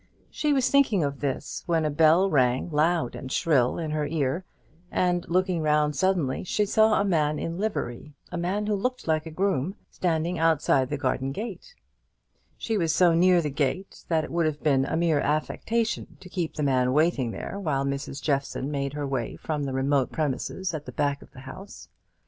She was thinking of this when a bell rang loud and shrill in her ear: and looking round suddenly, she saw a man in livery a man who looked like a groom standing outside the garden gate. She was so near the gate that it would have been a mere affectation to keep the man waiting there while Mrs. Jeffson made her way from the remote premises at the back of the house.